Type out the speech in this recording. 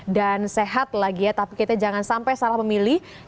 sehat lagi ya tapi kita jangan sampai salah memilih